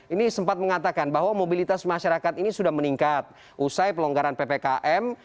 ini sempat mengatakan bahwa mobilitas masyarakat ini sudah meningkat usai pelonggaran ppkm